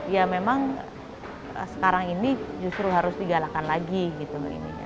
ya memang sekarang ini justru harus digalakan lagi gitu